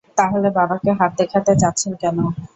তাহলে বাবাকে হাত দেখাতে চাচ্ছেন কেন?